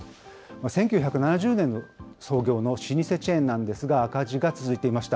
１９７０年創業の老舗チェーンなんですが、赤字が続いていました。